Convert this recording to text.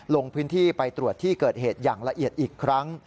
ลงพื้นที่ไปตรวจที่เกิดเหตุอย่างละเอียดอีกครั้ง